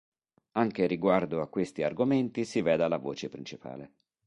Anche riguardo a questi argomenti si veda la voce principale.